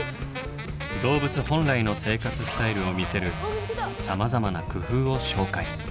動物本来の生活スタイルを見せるさまざまな工夫を紹介。